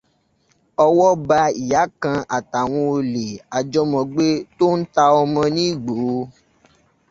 Ọwọ́ ba ìyá kan àtàwọn olè ajọ́mọgbé tó n ta ọmọ ní Ìgbòho.